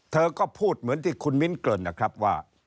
เธอก็พูดเหมือนที่คุณมิ้นเกริ่นนะครับว่า